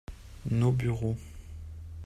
Nos bureaux.